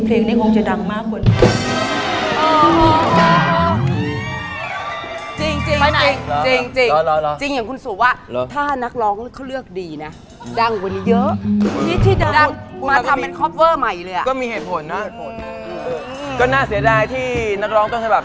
เพลงนี้เป็นเพลงของคุณตั๊กรีหลาครับ